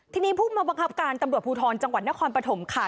ทีนี้ผู้มาบังคับการตำรวจภูทรจังหวัดนครปฐมค่ะ